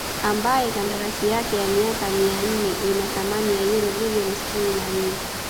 ambaye kandarasi yake ya miaka minne ina thamani ya uro milioni sitini na nne